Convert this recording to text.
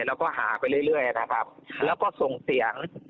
แล้วก็หาไปเรื่อยนะครับแล้วก็ส่งเสียง